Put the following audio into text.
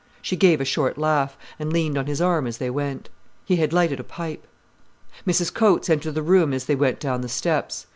She gave a short laugh, and leaned on his arm as they went. He had lighted a pipe. Mrs Coates entered the room as they went down the steps.